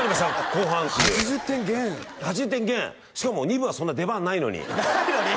後半っていう８０点減８０点減しかも２部はそんな出番ないのにないのに？